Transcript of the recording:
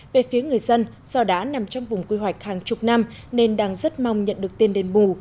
về phía người dân do đã nằm trong vùng quy hoạch hàng chục năm nên đang rất mong nhận được tiền đền bù